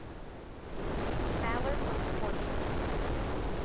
Ballard was tortured.